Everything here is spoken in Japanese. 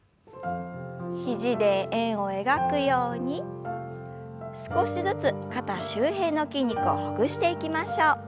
肘で円を描くように少しずつ肩周辺の筋肉をほぐしていきましょう。